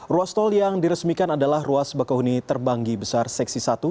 ruas tol yang diresmikan adalah ruas bakahuni terbanggi besar seksi satu